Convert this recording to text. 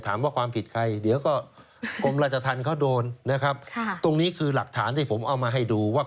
ความผิดใครเดี๋ยวก็กรมราชธรรมเขาโดนนะครับตรงนี้คือหลักฐานที่ผมเอามาให้ดูว่า